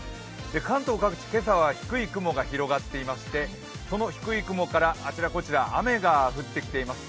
関東各地、今朝は低い雲が広がっていましてその低い雲からあちらこちら雨が降っています。